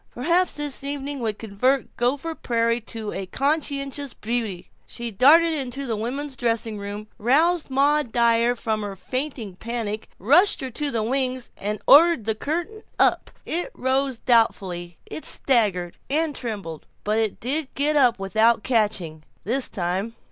Perhaps this evening would convert Gopher Prairie to conscious beauty. She darted into the women's dressing room, roused Maud Dyer from her fainting panic, pushed her to the wings, and ordered the curtain up. It rose doubtfully, it staggered and trembled, but it did get up without catching this time.